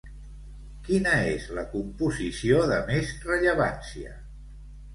Quina és la composició de més rellevància?